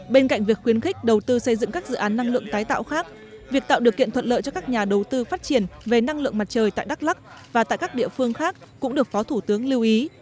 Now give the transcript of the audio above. bên cạnh việc khuyến khích đầu tư xây dựng các dự án năng lượng tái tạo khác việc tạo điều kiện thuận lợi cho các nhà đầu tư phát triển về năng lượng mặt trời tại đắk lắc và tại các địa phương khác cũng được phó thủ tướng lưu ý